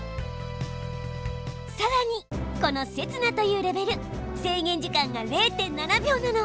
さらにこの刹那というレベル制限時間が０．７秒なの。